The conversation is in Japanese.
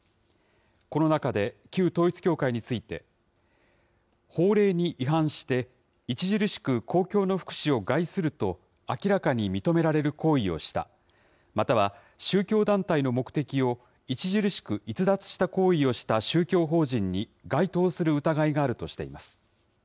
この中で、旧統一教会について、法令に違反して、著しく公共の福祉を害すると明らかに認められる行為をした、または、宗教団体の目的を著しく逸脱した行為をした宗教法人に該当する疑いがあるとしています。